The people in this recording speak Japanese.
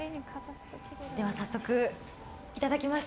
では早速、いただきます。